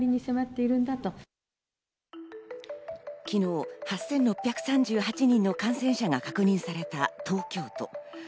昨日、８６３８人の感染者が確認された東京都。